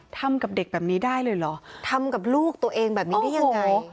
ทำกับเด็กแบบนี้ได้เลยเหรอทำกับลูกตัวเองแบบนี้ได้ยังไง